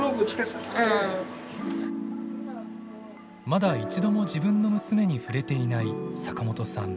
まだ一度も自分の娘に触れていない坂本さん。